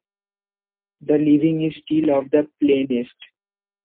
The living is still of the plainest.